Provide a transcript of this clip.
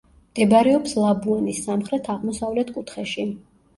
მდებარეობს ლაბუანის სამხრეთ-აღმოსავლეთ კუთხეში.